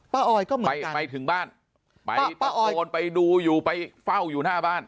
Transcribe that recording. ออยก็เหมือนไปไปถึงบ้านไปตะโกนไปดูอยู่ไปเฝ้าอยู่หน้าบ้าน